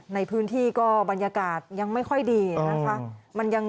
ในพื้นที่ก็บรรยากาศยังไม่ค่อยดีนะคะ